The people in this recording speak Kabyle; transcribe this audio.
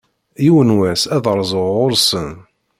Yiwen wass, ad rzuɣ ɣur-sen.